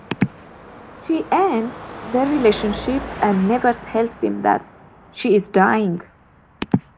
She ends their relationship and never tells him that she is dying.